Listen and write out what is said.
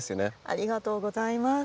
ありがとうございます。